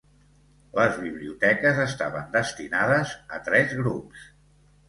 Les biblioteques estaven destinades a tres grups.